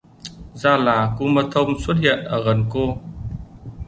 ra là kumanthong xuất hiện ở gần cô